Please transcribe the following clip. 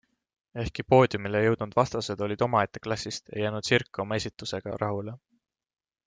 Ehkki poodiumile jõudnud vastased olid omaette klassist, ei jäänud Zirk oma esitusega rahule.